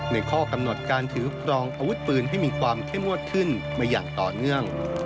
ข้อกำหนดการถือครองอาวุธปืนให้มีความเข้มงวดขึ้นมาอย่างต่อเนื่อง